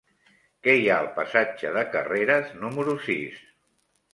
Què hi ha al passatge de Carreras número sis?